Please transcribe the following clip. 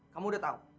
kamu udah tahu